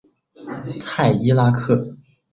泰伊拉克。